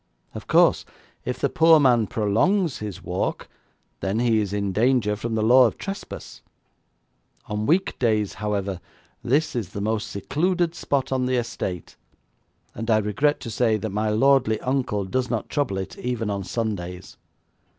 Of course, if the poor man prolongs his walk then is he in danger from the law of trespass. On weekdays, however, this is the most secluded spot on the estate, and I regret to say that my lordly uncle does not trouble it even on Sundays.